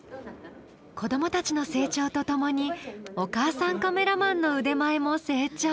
子どもたちの成長とともにお母さんカメラマンの腕前も成長！